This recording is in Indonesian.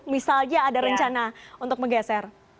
misalnya ada rencana untuk menggeser